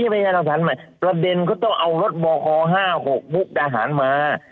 ประเด็นก็ต้องเอารถบค๕๖มุกดาหารมา